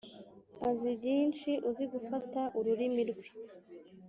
azi byinshi uzi gufata ururimi rwe.